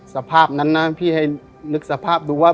สภาพนั้นนะพี่ให้นึกสภาพดูว่า